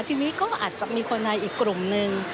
ทีนี้ก็อาจจะมีคนในอีกกลุ่มนึง